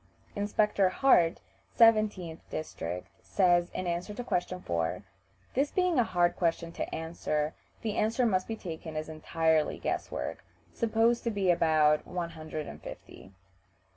Inspector Hartt, 17th district, says, in answer to question 4, "This being a hard question to answer, the answer must be taken as entirely guess work: supposed to be about one hundred and fifty."